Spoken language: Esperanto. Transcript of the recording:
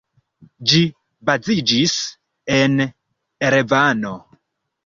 Ĝi baziĝis en Erevano.